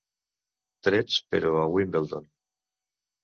Trets, però a Wimbledon.